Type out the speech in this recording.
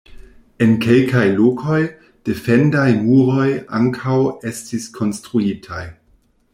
En kelkaj lokoj, defendaj muroj ankaŭ estis konstruitaj.